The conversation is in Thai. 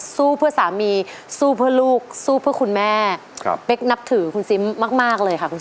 ด้วยรักษาใหม่ด้วยน้ำสามารถทุกท่าน